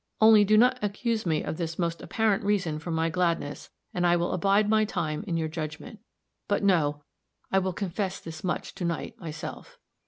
Only do not accuse me of this most apparent reason for my gladness, and I will abide my time in your judgment. But no! I will confess this much to night myself.